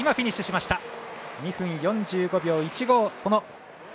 ２分４５秒１５。